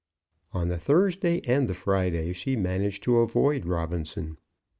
On the Thursday and the Friday she managed to avoid Robinson.